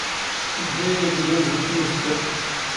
ⴷⵖⵉ ⴰⵢⴷ ⵉⴳⴰⵏ ⵣⵉⴽ ⵏ ⵓⵣⴽⴽⴰ